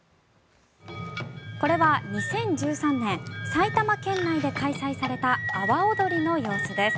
これは、２０１３年埼玉県内で開催された阿波おどりの様子です。